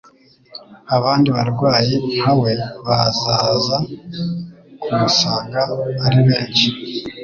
abandi barwayi nka we bazaza kumusanga ari benshi;